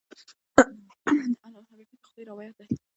د علامه حبیبي د خولې روایت دی.